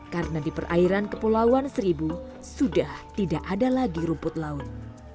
karena di perairan kepulauan seribu sudah tidak ada lagi rumput laut